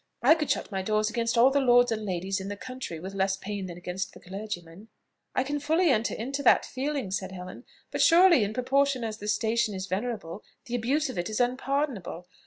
I could shut my doors against all the lords and ladies in the country with less pain than against the clergyman." "I can fully enter into that feeling," said Helen: "but surely, in proportion as the station is venerable, the abuse of it is unpardonable.